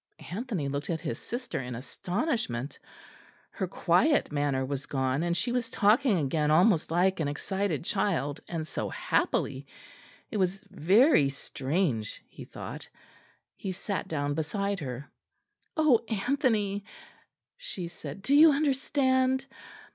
Anthony looked at his sister in astonishment; her quiet manner was gone, and she was talking again almost like an excited child; and so happily. It was very strange, he thought. He sat down beside her. "Oh, Anthony!" she said, "do you understand?